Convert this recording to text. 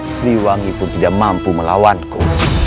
sriwangi pun tidak mampu melawanku